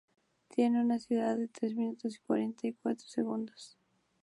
Tiene una duración de tres minutos y cuarenta y cuatro segundos.